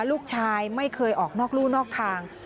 ลูกชายไม่เคยออกนอกรู่นอกทาง